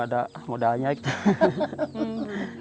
sudah ada yang nanggang